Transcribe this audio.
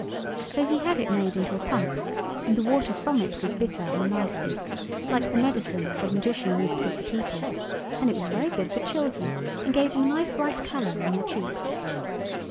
So he had it made into a pump, and the water from it was bitter and nasty, like the medicine the Magician used to give the people; and it was very good for children, and gave them a nice bright colour in their cheeks.